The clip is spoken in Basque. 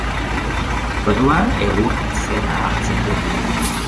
Orduan egur izena hartzen du.